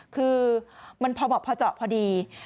คือมันพอบอกพระเจ้าพอดี